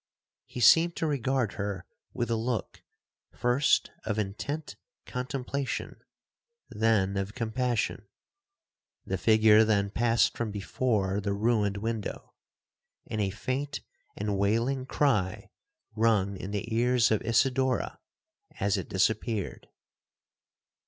He seemed to regard her with a look, first of intent contemplation,—then of compassion,—the figure then passed from before the ruined window, and a faint and wailing cry rung in the ears of Isidora as it disappeared.